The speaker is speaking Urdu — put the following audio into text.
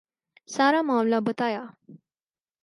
سارا معاملہ بتایا۔